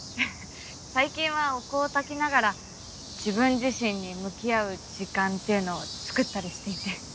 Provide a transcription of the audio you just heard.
最近はお香をたきながら自分自身に向き合う時間っていうのをつくったりしていて。